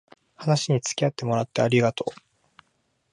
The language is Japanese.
話につきあってもらってありがとう